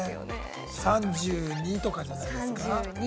３２とかじゃないですか？